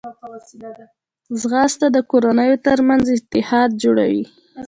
ځغاسته د کورنیو ترمنځ اتحاد جوړوي